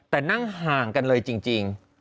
แต่นั่งห่างกันเลยจริง